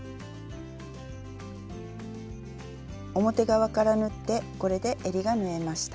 表側から縫ってこれでえりが縫えました。